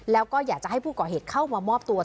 แล้วก็อยากจะให้ผู้ก่อเหตุเข้ามามอบตัว